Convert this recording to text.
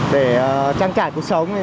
để trang trải cuộc sống